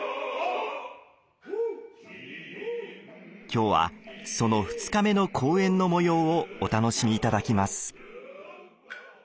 今日はその２日目の公演の模様をお楽しみいただきます。